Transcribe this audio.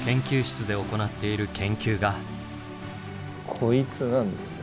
こいつなんですが。